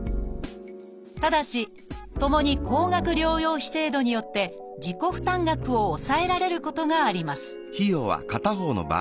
ただしともに高額療養費制度によって自己負担額を抑えられることがあります